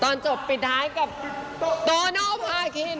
ตอนจบปิดท้ายกับตัวน้องภาคิน